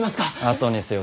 後にせよ。